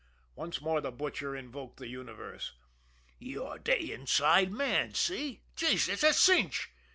Once more the Butcher invoked the universe. "You're de inside man, see? Gee it's a cinch!